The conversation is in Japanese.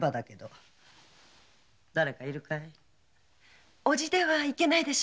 伯父ではいけないでしょうか？